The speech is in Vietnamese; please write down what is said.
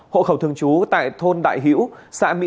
hộ khẩu thường trú tại thôn đại hữu xã mỹ